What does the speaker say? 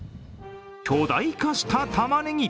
巨大化したたまねぎ。